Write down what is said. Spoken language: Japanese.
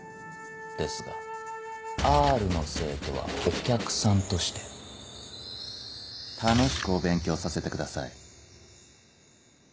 ですがＲの生徒はお客さんとして楽しくお勉強させてください。